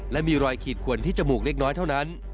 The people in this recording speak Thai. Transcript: และมีรอยขีดขวนที่จมูกเล็กน้อยเท่านั้น